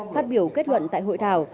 phát biểu kết luận tại hội thảo